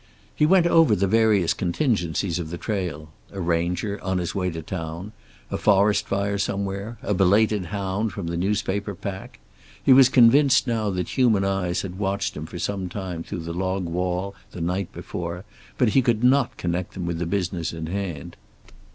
He went over the various contingencies of the trail: a ranger, on his way to town; a forest fire somewhere; a belated hound from the newspaper pack. He was convinced now that human eyes had watched him for some time through the log wall the night before, but he could not connect them with the business in hand.